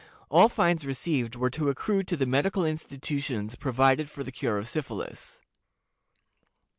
All fines received were to accrue to the medical institutions provided for the cure of syphilis.